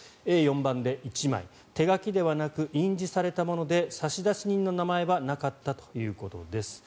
Ａ４判で１枚手書きではなく印字されたもので差出人の名前はなかったということです。